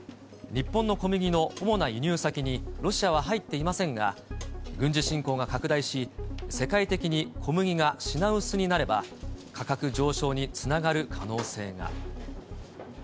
日本の小麦の主な輸入先にロシアは入っていませんが、軍事侵攻が拡大し、世界的に小麦が品薄になれば、価格上昇につながる可能性が。